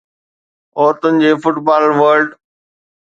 عورتن جي football world